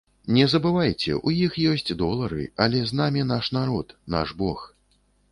Не забывайце, у іх ёсць долары, але з намі наш народ, наш бог.